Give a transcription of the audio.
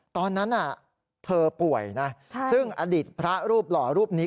ตอนนั้นเธอป่วยนะซึ่งอดีตพระรูปหล่อรูปนี้